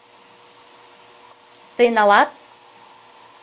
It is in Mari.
— Тый налат?